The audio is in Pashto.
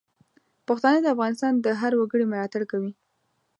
پښتانه د افغانستان د هر وګړي ملاتړ کوي.